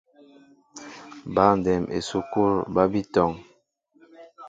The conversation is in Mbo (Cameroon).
Băndɛm esukul ba bi tɔŋ.